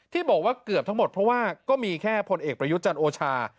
ที่บอกว่าเกือบทั้งหมดเพราะว่าก็มีแค่พลเอกประยุทธ์จันทร์โอชา